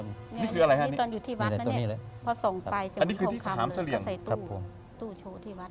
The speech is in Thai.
นี่คืออะไรฮะนี่ตอนอยู่ที่วัดนะเนี่ยพอส่องไฟจะมีทองคำเลยก็ใส่ตู้โชว์ที่วัด